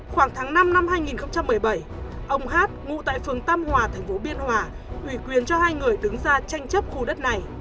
khoảng tháng năm năm hai nghìn một mươi bảy ông hát ngụ tại phường tam hòa thành phố biên hòa ủy quyền cho hai người đứng ra tranh chấp khu đất này